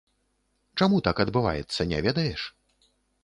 Чаму так адбываецца, не ведаеш?